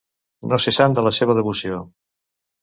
No ser sant de la seva devoció.